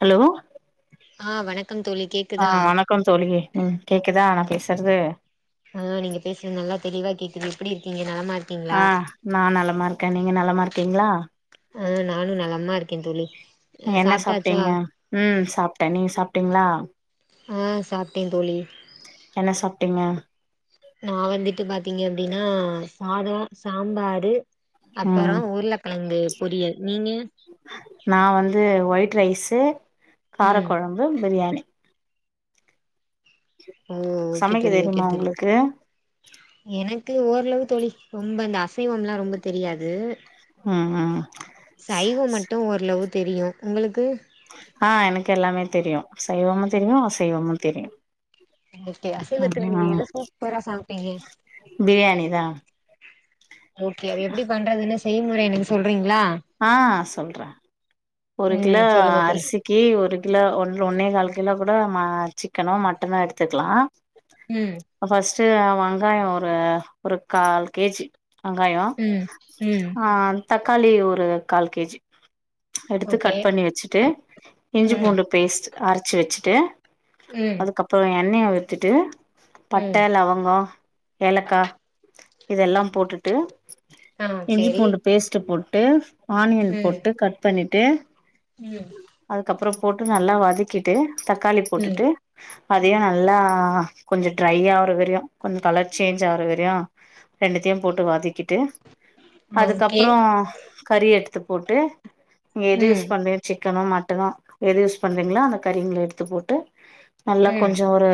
Hello ஆ வணக்கம் தோழி கேக் ஆ வணக்கம் தோழி ம் கேக்குதா நா பேசுறது ஆ நீங்க பேசுறது நல்லா தெளிவா கேக்குது எப்டி இருக்கீங்க நலமா இருக் ஆ நா நலமாருக்கே நீங்க நலமாருக்கீங்ளா ஆ நானும் நலமா இருக்கே தோழி என்ன சாப்ட்டாச்சா சாப்ட்டீங்க ம் சாப்ட்டே நீங்க சாப்ட்டீங்ளா ம் சாப்ட்டே தோழி என்ன சாப்டீங்க நா வந்துட்டு பாத்தீங்க அப்டின்னா சாதோ சாம்பாரு அப்பறோ ம் உருளக்கிழங்கு பொரியல் நீங்க நா வந்து ஒயிட் ரைஸு ம் காரக்கொழம்பு பிரியாணி ம் ஓகே சமைக்க தோழி ஓகே தெரியுமா தோழி உங்களுக்கு எனக்கு ஓரளவு தோழி ரொம்ப அந்த அசைவல்லா ரொம்ப தெரியாது ம் ம் சைவ‌ மட்டு ஓரளவு தெரியு உங்களுக்கு ஆ எனக்கு எல்லாமே தெரியு சைவமு தெரியு அசைவமு தெரியு ஓகே அசைவத்துல ஆ நீங்க எத சூப்பரா சமைப்பீங்க பிரியாணி தா ஓகே அது எப்டி பண்றதுன்னு செய்யமுறை நீங்க சொல்றீங்களா ஆ சொல்ற ஒரு ம் கிலோ சொல்லுங்க தோழி அரிசி க்கு ஒரு கிலோ ஒன்ற ஒன்னே கால் கிலோ கூட மா சிக்கனோ மட்டனோ எடுத்துக்கலா ம் ஃபஸ்ட்டு அ வெங்காயோ ஒரு ஒரு கால் கேஜி வெங்காயோ ம் ம் ஆ தக்காளி ஒரு கால் கேஜி எடுத்து ஓகே கட் பண்ணி வச்சுட்டு இஞ்சி ம் பூண்டு பேஸ்ட்டு அரைச்சு வச்சுட்டு ம் அதுக்கப்புறோ எண்ணைய ஊத்துட்டு பட்ட ம் லவங்கோ ஏலக்கா இதெல்லாம் போட்டுட்டு ஆ இஞ்சி சேரி பூண்டு பேஸ்ட்டு போட்டு ஆனியன் ம் போட்டு கட் பண்ணிட்டு ம் அதுக்கப்புறோ போட்டு நல்லா வதக்கிட்டு தக்காளி ம் போட்டுட்டு ம் அதயும் ந ல்லா கொஞ்சோ ட்ரை ஆவுற வரையு கொஞ்சோ கலர் சேஞ்ச் ஆவுற வரையு ரெண்டுத்தையும் போட்டு வதக்கிட்டு ஓகே அதுக்கப்புறோ கறி எடுத்து போட்டு நீ எது யூஸ் ம் பண்றீயோ சிக்கனோ மட்டனோ எது யூஸ் பண்றீங்களோ அந்த கறிங்களை எடுத்து போட்டு நல்லா ம் கொஞ்சோ ஒரு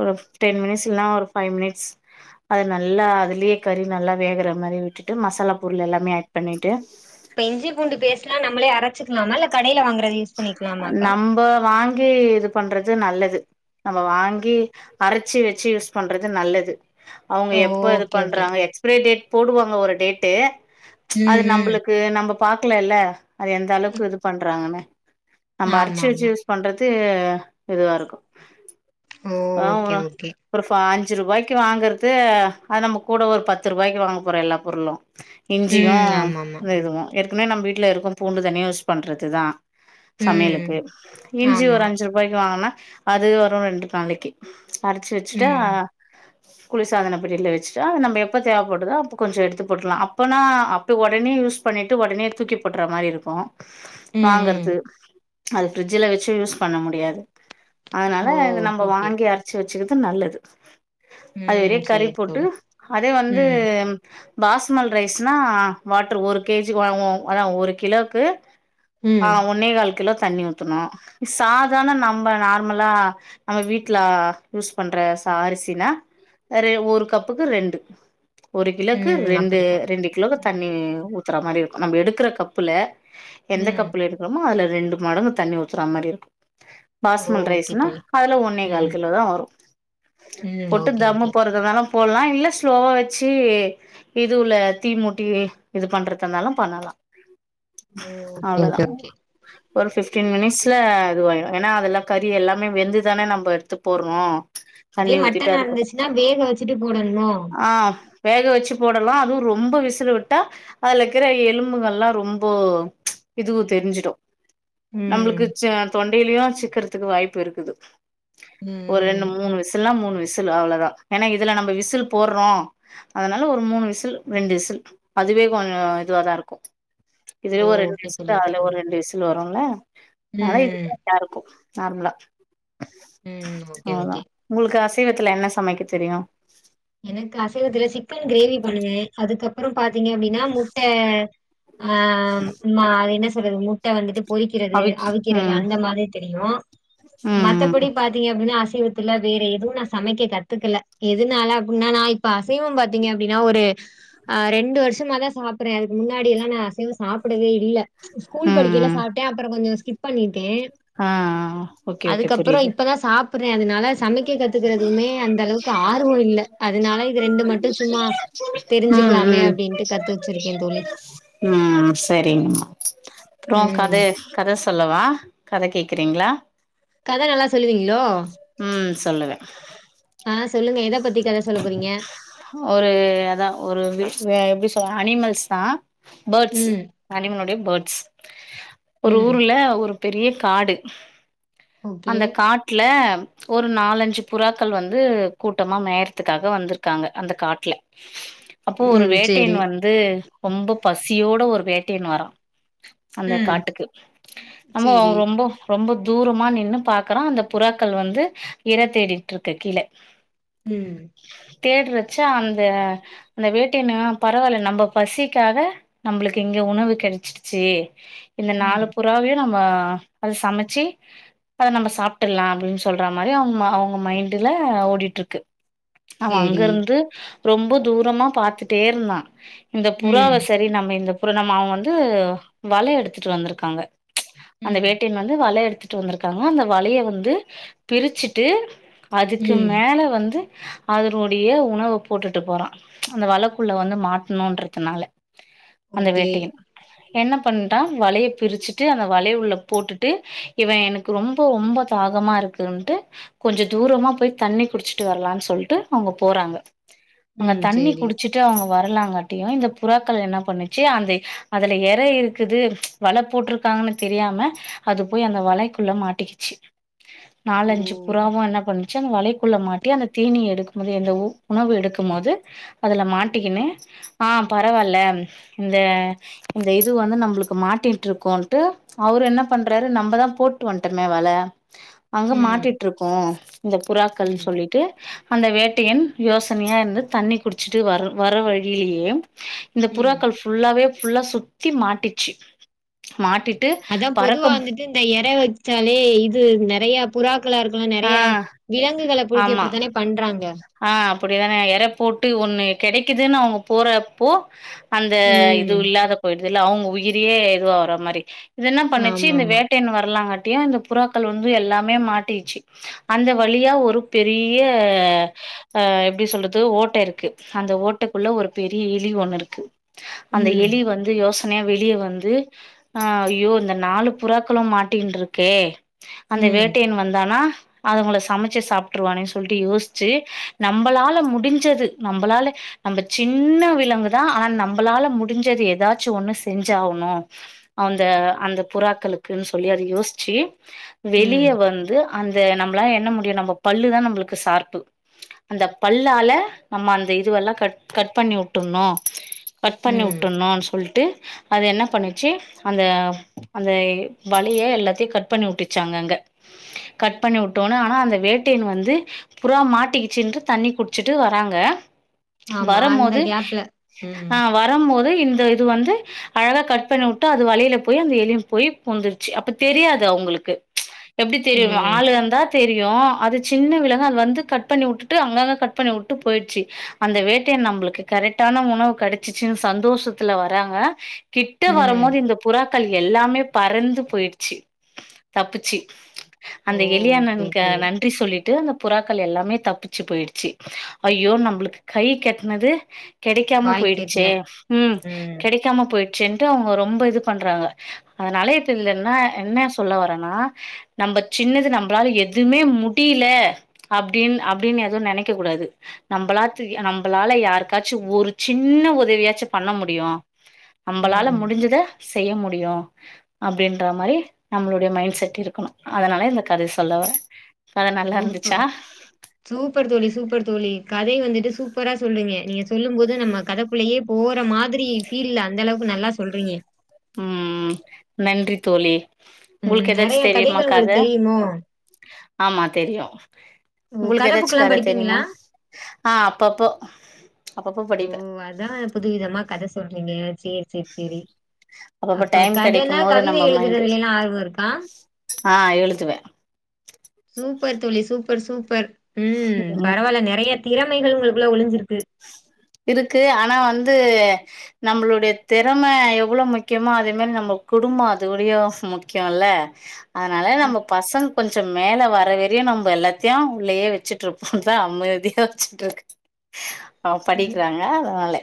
ஒரு டென் மினிட்ஸ் இல்ன்னா ஒரு ஃபைவ் மினிட்ஸ் அது நல்லா அதுலயே கறி நல்லா வேகுற மாரி விட்டுட்டு மசாலா பொருள் எல்லாமே ஆட் பண்ணிட்டு இப்ப இஞ்சி பூண்டு பேஸ்டலா நம்ளே அரைச்சிக்கலாமா இல்ல கடையில வாங்க நம்ப வாங்கி இது பண்றது நல்லது நம்ம வாங்கி அரைச்சு வச்சு யூஸ் பண்றது நல்லது அவுங்க ஓ எப்ப இது ஓகே ஓகே பண்றாங்க எக்ஸ்பரை டேட் போடுவாங்க ஒரு டேட்டு அது ம் ம் நம்பளுக்கு நம்ப பாக்கலல்ல அது எந்த அளவுக்கு இது பண்றாங்கன்னு நம்ம ஆமா அரச்சு வச்சு ஆமா யூஸ் பண்றது இதுவா இருக்கு ஓகே ஓகே [unintelligible] ஒரு ஃபா அஞ்சு ரூபாய்க்கு வாங்குறது அது நம்ம கூட ஒரு பத்து ரூபாய்க்கு வாங்க போறோ எல்லா பொருளு இஞ்சியு ம் ஆமா ஆமா இந்த இதுவு ஏற்கனவே நம்ப வீட்ல இருக்கு பூண்டு தனியா யூஸ் பண்றது தா ம் சமையலுக்கு இஞ்சி ஒரு ஆமா அஞ்சு ரூபாய்க்கு வாங்குனா அது வரு ரெண்டு நாளைக்கு அரச்சு வச்சுட்டா ம் குளிர்சாதன பெட்டியில வச்சுட்டா நம்ம எப்போ தேவப்படுதோ அப்போ கொஞ்சோ எடுத்து போட்லா அப்பன்னா அப் ஒடனே யூஸ் பண்ணிட்டு ஒடனே தூக்கி போட்டுற மாரி இருக்கு ம் வாங்கறது ம் அது ஃபிரிட்ஜ்ல வச்சு யூஸ் பண்ண முடியாது அதனால ஓ நம்ம ஓகே ஓகே வாங்கி அர ச்சு வச்சுக்கிறது நல்லது அதுலே ம் கறி சேரி போட்டு தோழி அதே வந்து ம். பாஸ்மல் ரைஸ்னா வாட்டரு ஒரு கேஜி வாங்குவோ ஆனா ஒரு கிலோக்கு ஆ ம். ஒன்னே கால் கிலோ தண்ணி ஊத்தணு சாதாரண நம்ப நார்மலா நம்ம வீட்டுல யூஸ் பண்ற ச அரிசில அது ஒரு கப்புக்கு ரெண்டு ஒரு கிலோக்கு ம். ரெண்டு அப்படித்தான். ரெண்டு கிலோக்கு தண்ணி ம். ஊத்துற மாரி இருக்கு நம்ம எடுக்கிற கப்புல எந்த ம். கப் எடுக்குறோமோ அதுல ரெண்டு மடங்கு தண்ணி ஊத்தர மாரி இருக்கு பாஸ்மல் ஓகே ரைஸ்னா தோழி. அதுல ஒன்னே கால் ம். கிலோ தா வரும் ம். போட்டு ஓகே, தம்மு ஓகே. போற துனாலு போடலா இல்ல ஸ்லோவா வச்சி இதுவுல தீ மூட்டி இது பண்றதுனாலு பண்ணலா ஓ ஓகே அவ்ளோதா ஓகே ஓகே ஒரு சிக்ஸ்டின் மினிட்ஸ்ல இதுவாயிடு ஏனா அதெல்லா கறி எல்லாமே வெந்துதான நம்ம எடுத்து போடுறோ அதே தண்ணி ஊத்திட்டு மட்டனா அதுக்கப் இருந்துச்சுன்னா வேக வச்சுட்டு போடணுமோ? ஆ வேக வச்சு போடலா அதுவு ரொம்ப விசிலு விட்டா அதுல இக்கிற எலும்புங்கல்லா ரொம்ப இதுவு தெரிஞ்சுடு ம் முழுக்கச்ச தொண்டையிலு சிக்கறதுக்கு வாய்ப்பு இருக்குது ஒரு ரெண்டு ம். மூணு விஸ் ல்லா மூணு விசிலு அவ்ளோதா ஏனா இதுல நம்ம விசில் போடுறோ அதனால ஒரு மூணு விசில் ரெண்டு விசில் அதுவே கொஞ்சோ இதுவாதா இருக்கு இதுவே ஒரு ரெண்டு ஓகே விசி தோழி, ஓகே தோழி. ரெண்டு விசில் வருல்ல ம். அதா இதுக்கு ம். இதா இருக்கு நார்மலா ம். ஓகே, அவ்ளோதா ஓகே. உங்களுக்கு அசைவத்துல என்ன சமைக்க தெரியு எனக்கு அசைவத்துல சிக்கன் கிரேவி பண்ணுவே அதுக்கப்புறோ பாத்தீங்க அப்டினா முட்ட ஆ மா அது என்ன சொல்லுறது முட்ட வந்துட்டு பொறிக்கிறது அவிக் அவிக்கிறது ம் அந்த மாதிரி தெரியு ம் ம் மத்தபடி பாத்தீங்க மத்தபடி அசைவத்துல வேற எதுவு நா சமைக்க கத்துக்கல எதுனால முன்னன்னா இப்ப அசைவம் பாத்தீங்க அப்டினா ஒரு ஆ ரெண்டு வருஷமா தா சாப்பிடுறே அதுக்கு முன்னாடியெல்லா நா அசைவம் சாப்பிடவே இல்ல ம் ஸ்கூல் படிக்கைல்ல ம் சாப்பிட்டே அப்புறோ கொஞ்சோ ஸ்கிப் பண்ணிட்டே ஆ ஆ அதுக்கப்புறோ இப்பதா சாப்பிடுறே அதனால சமைக்க கத்துக்கிறதுமே அந்த அளவுக்கு ஆர்வோ இல்ல அதனால இது ரெண்டு மட்டு சும்மா ம் தெரிஞ்சுக்கலாமே ம் அப்டின்ட்டு கத்து வச்சிருக்கே தோழி ம் செரிங்கம்மா அப்புறோ கத ம் கத சொல்லவா கதை கேக்குறீங்களா கதை நல்லா சொல்லுவீங்களோ ம் சொல்லுவே ஆ சொல்லுங்க எத பத்தி கதை சொல்ல போறீங்க ஒரு அதா ஒரு விஷ் வே எப்டி சொல்லலா அனிமல்ஸ் தா பேர்ட்ஸ் ம் அனிமலுடைய பேர்ட்ஸ் ஒரு ம் ஊர்ல ஒரு பெரிய காடு ஓகே அந்த காட்டுல ஒரு நாலஞ்சு புறாக்கள் வந்து கூட்டமா மேயறதுக்காக வந்திருக்காங்க அந்த காட்டுல அப்போ ஒரு ம் வேட்டையன் சேரி வந்து ரொம்ப பசியோட ஒரு வேட்டையன் வரான் அந்த ம். காட்டுக்கு நம்மோ சரி. ரொம்போ ரொம்ப தூரமா நின்னு பாக்குறா அந்த புறாக்கள் வந்து இற தேடிட்டு இருக்கு கீழ ம் தேடுறச்ச அந்த அந்த வேட்டையனு பரவாயில்ல நம்ம பசிக்காக நம்மளுக்கு இங்க உணவு கெடச்சிடுச்சு இந்த நாலு ம். புறாவையு நம்ம அது சமைச்சி அத நம்ம சாப்பிட்றலா அப்டினு சொல்ற மாரி அவுங்க அவுங்க மைண்டுல ஓடிட்டு இருக்கு அவ சரி. அங்க இருந்து ரொம்ப தூரமா பாத்துட்டே இருந்தா இந்த புறாவ ம், சரி நம்ம இந்த புற நம்ம அவ வந்து வல எடுத்துட்டு வந்துருக்காங்க அந்த ம், வேட்டையன் வந்து வலைய எடுத்துட்டு வந்திருக்காங்க அந்த வலைய வந்து பிரிச்சுட்டு அதுக்கு ம். மேல வந்து அதனுடைய உணவ போட்டுட்டு போறா அந்த வலக்குள்ள வந்து மாட்ணுன்றுக்கனால அந்த ஓகே. வேட்டையின் என்ன பண்ணிட்டா வலைய பிரிச்சுட்டு ட்டு அந்த வலே உள்ள போட்டுட்டு இவ எனக்கு ரொம்போ ரொம்போ தாகமா இருக்குன்ட்டு கொஞ்ச தூரமா போய் தண்ணி குடிச்சிட்டு வர்லான் சொல்ட்டு அவுங்க போறாங்க அங்க ம். தண்ணி சரி. குடிச்சிட்டு அவ்ங்க வரலாங்காட்டியு இந்த புறாக்கள் என்ன பண்ணுச்சு அந்த அதுல எற இருக்குது வல போட்ரு காங்கனு தெரியாம அது போய் அந்த வலைக்குள்ள மாட்டிக்கிச்சி ஓ! நாலஞ்சு புறாவு என்ன பண்ணச்சு அந்த வலைக்குள்ள மாட்டி அந்த தீனி எடுக்குபோது எந்த உணவு எடுக்குபோது அதுல மாட்டிக்கினு ஆ பரவால்ல இந்த இந்த இது வந்து நம்மளுக்கு மாட்டிட்டு இருக்கோ ட்டு அவரு என்ன பண்றாரு நம்பதா போட்டு வன்ட்டமே வல அங்க ம், மாட்டிட்டு இருக்கு இந்த புறாக்கள்னு ம், சொல்லிட்டு அந்த வேட்டையன் யோசனையா இருந்து தண்ணி குடிச்சிட்டு வர்ற வர்ற வழியிலயே இந்த ம். புறாக்கள் ஃபுல்லாவே ஃபுல்லா சுத்தி மாட்டிச்சு மாட்டி அதா பொதுவா வந்துட்டு இந்த எற வெச்சாலே இது நெறையாப் புறாக்களா இருக்கல்லா ஆ நெறைய விலங்குகள புடிக்க ஆமா இப்டித்தானே பண்றாங்க ஆ அப்டிதான எற போட்டு ஒண்ணு கிடைக்குதூனு அவங்க போறப்போ அந்த ம். இது இல்லாத போயிடுதுல அவங்க உயிரியே இது ஆவுற மாரி இது என பண்ணுச்சு இந்த ஆமாமா. வேட்டைன்னு வரலாங்கட்டியு இந்த புறாக்கள் வந்து எல்லாமே மாட்டிச்சு அந்த வழியா ஒரு பெரிய அ எப்டி சொல்றது ஓட்ட இருக்கு அந்த ஓட்டைக்குள்ள ஒரு பெரிய எலி ஒண்ணு இருக்கு அந்த ம், எலி வந்து யோசன அனையா வெளியே வந்து அ யோ இந்த நாலு புறாக்களு மாட்டிண்டு இருக்கே அந்த ம், வேட்டையன் வந்தானா அதங்கள சமைச்சு சாப்ட்டுருவானே சொல்ட்டு யோசிச்சு நம்பளால முடிஞ்சது நம்பளால நம்ப சின்ன விலங்குதா ஆனா நம்பளால முடிஞ்சது எதாச்சு ஒண்ணு செஞ்சாவனு அந்த அந்த புறாக்களுக்குன்னு சொல்லி அத யோசிச்சு வெளிய ம், வந்து இத நம்மளா என்ன முடியு நம்ம பல்லுதா நம்மளுக்கு சார்பு அந்த பல்லால நம்ம அந்த இதுவெல்லா கட் கட் பண்ணி விட்டுணு கட் பண்ணி ம். விட்டணு சொல்ட்டு அது என்ன பண்ணிச்சு அந்த அந்த வலைய எல்லாத்தையு கட் பண்ணி உட்டுச்சாங்க அங்க கட் பண்ணி விட்டோன்னே ஆனா அந்த வேட்டையன் வந்து புறா மாட்டக்குச்சின்ட்டு தண்ணி குடிச்சுட்டு வராங்க ஆமா, அந்த வரும்போது கேப்ல. ம், ஆ வரும் போது இந்த இது வந்து அழகா கட் பண்ணி உட்டு அது வலைல போய் அந்த எலியு போய் பூந்துருச்சு அப்ப தெரியாது அவுங்களுக்கு எப்டி தெரியுங்க ம், தா தெரியு அது சின்ன விலங்கு அது வந்து கட் பண்ணி விட்டுட்டு அங்கங்க கட் பண்ணி விட்டு போயிடுச்சு அந்த வேட்டையன் நம்மளுக்கு கரெக்டான உணவு கிடைச்சிச்சுன்னு சந்தோஷத்துல வராங்க கிட்ட வரு ம். போது இந்த புறாக்கள் எல்லாமே பறந்து போயிடுச்சு தப்புச்சு ஓ! அந்த எலி சரி, அண்ணனுக்கு சரி. நன்றி சொல்லிட்டு அந்த புறாக்கள் எல்லாமே தப்பிச்சு போயிடுச்சு ஐயோ நம்பளுக்கு கைக்கு எட்னது கெடைக்கா வாய்க்கெட்டல. போயிடுச்சே ம் கெடைக்கா போயிடுச்சே அவுங்க ரொம்ப இது பண்றாங்க அதுனால இப்ப இதுல என்ன என்ன சொல்ல வரேன்னா நம்ப சின்னது நம்பளால எதுமே முடில அப்டின் அப்டினு எதுவு நெனைக்க கூடாது நம்பளாச் நம்பளால யாருக்காச்சு ஒரு சின்ன உதவியாச்சு பண்ண முடியு நம்பளால ம். முடிஞ்சத செய்ய முடியு அப்டின்ற மாரி நம்மளோட மைன்ட் செட்டு இருக்கனு அதனாலே இந்த கதைய சொல்லவா சூப்பர் சூப்பர் தோழி சூப்பர் தோழி கத வந்துட்டு சூப்பரா சொல்றீங்க நீங்க சொல்லும் போது நம்ம கத உள்ளயே போற மாதிரி ஃபீல்ல அந்த அளவுக்கு நல்லா சொல்றீங்க ம் ம் நன்றி தோழி ம் உங்களுக்கு ஏதாச்சி நெறைய தெரியுமா கதைகள் கத உங்களுக்கு தெரியுமோ? ஆமா தெரியு ஓ! உங்களுக்கு கதை ஏதாச்சி புக்லாம் கதா படிப்பீங்களா? தெரியுமா ஆ அப்பப்போ அப்பப்போ படிப்ப ஓ அதா புதுவிதமா கத சொல்றீங்க சேரி செரி செரி அப்பப்போ அப்ப டைம் கதனா கெடைக்கும் போது கவித நம்ம மைண்டு எழுதுறதுலயில்லா ஆர்வ இருக்கா ஆ எழுதுவ சூப்பர் தோழி சூப்பர் சூப்பர் ம் பரவால்ல நெறைய திறமைகள் உங்களுக்குள்ள ஒழிஞ்சிருக்கு இருக்கு ஆனா வந்து நம்மளுடைய தெறம எவளோ முக்கியமோ அதே மாரி நம்ம குடும்போ அதவுடைய ஸ் முக் முக்கியல அதனால நம்ம பசங்க கொஞ்ச மேல வரவே நெறிய நம்ப எல்லாத்தையோ உள்ளயே வெச்சுட்டு இருப்போல்லா அமைதியா வெச்சுட்டு இருக் அவ படிக்கிறாங்க அதனால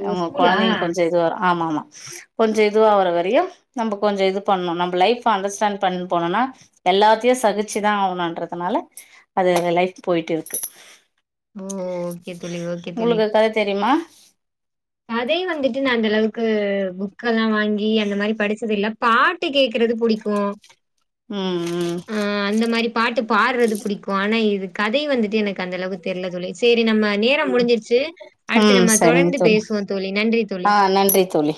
ஓ! அவுங்க ஸ்கூலா? கொழந்தைங்க கொஞ்ச இது வரோ ஆமா ஆமா கொஞ்ச இதுவா வரையு நம்ம கொஞ்ச இது பண்ணோ நம்ம லைஃப் அண்டர்ஸ்டாண்ட் பண் போனோனா எல்லாத்தையோ சகிச்சுதா ஆவுன்றதுனால அது லைஃப் போயிட்டு இருக்கு ஓ தோழி, ஓகே தோழி. உங்களுக்கு அது கத தெரியுமா கதை வந்துட்டு நா அந்தளவுக்கு புக்கல்லா வாங்கி அந்த மாரி படிச்சது இல்ல பாட் ட்டு கேக்குறது புடிக்கு ம் ம் ஆ அந்த மாரி பாட்டு பாடுறது புடிக்கோ ஆனா இது கதை வந்துட்டு எனக்கு அந்த அளவுக்குத் தெர்ல தோழி செரி நம்ம நேர ம் முடிஞ்சிருச்சு அடுத்து ம் நம்ம சரிங்க தொடர்ந்து தோழி பேசுவோ தோழி நன்றி தோழி ஆ நன்றி தோழி